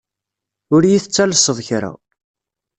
Ur yi-tettalseḍ kra.